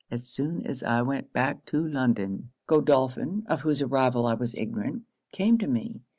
As soon as I went back to London, Godolphin, of whose arrival I was ignorant, came to me.